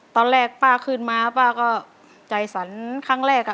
ตอนแรกป้าขึ้นมาป้าก็ใจสั่นครั้งแรก